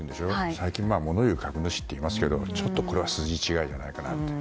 最近、物言う株主っていますけどちょっとこれは筋違いじゃないかと。